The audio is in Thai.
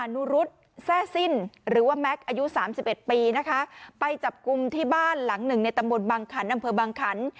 นุรุษแทร่สิ้นหรือว่าแม็กซ์อายุสามสิบเอ็ดปีนะคะไปจับกลุ่มที่บ้านหลังหนึ่งในตำบลบังขันอำเภอบังขัน